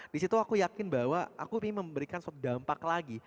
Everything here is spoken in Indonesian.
di situ aku yakin bahwa aku ingin memberikan suatu dampak lagi